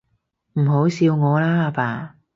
唔好笑我啦，阿爸